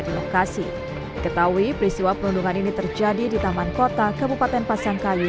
di lokasi ketahui peristiwa perundungan ini terjadi di taman kota kabupaten pasangkayu